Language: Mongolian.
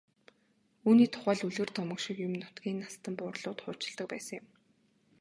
Үүний тухай л үлгэр домог шиг юм нутгийн настан буурлууд хуучилдаг байсан юм.